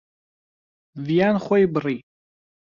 ڤیان خۆی بڕی.